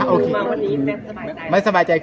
แต่ทุกคนเข้าใจอะค่ะ